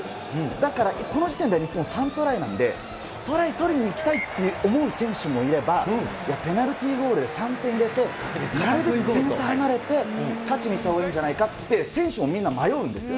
だから、この時点では日本、３トライなんで、トライ取りにいきたいって思う選手もいれば、いや、ペナルティーゴールで３点入れて、なるべく点差離れて勝ちにいったほうがいいんじゃないかって、選手もみんな迷うんですよ。